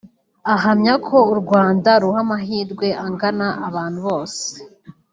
Ahamya ko u Rwanda ruha amahirwe angana abantu bose